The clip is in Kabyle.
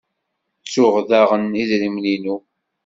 Ttuɣ daɣen idrimen-inu?